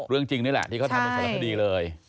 จริงนี่แหละที่เขาทำเป็นสารคดีเลย